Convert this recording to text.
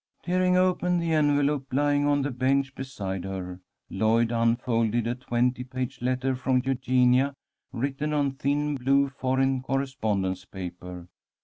Tearing open the envelope lying on the bench beside her, Lloyd unfolded a twenty page letter from Eugenia, written on thin blue foreign correspondence paper.